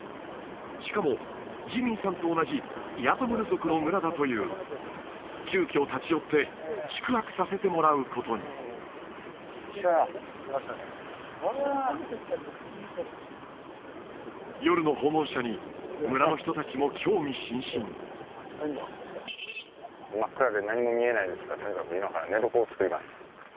しかもジミーさんと同じイアトムル族の村だという急きょ立ち寄って宿泊させてもらうことに夜の訪問者に村の人達も興味津々真っ暗で何も見えないですがとにかく今から寝床を作ります